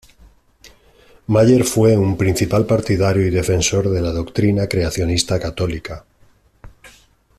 Mayer fue un principal partidario y defensor de la doctrina creacionista católica.